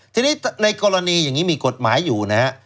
ทีนี้ในกรณีอย่างนี้มีกฎหมายอยู่นะฮะ